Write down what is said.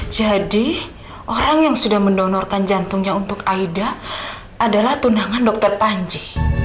jadi orang yang sudah mendonorkan jantungnya untuk aida adalah tunangan dokter panji